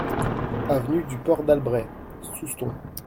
Avenue du Port d'Albret, Soustons